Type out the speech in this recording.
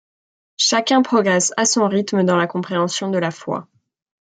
Chacun progresse à son rythme dans la compréhension de la foi.